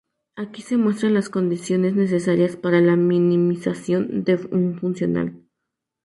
Aquí se muestran las condiciones necesarias para la minimización de un funcional.